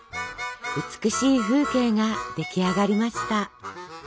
美しい風景が出来上がりました。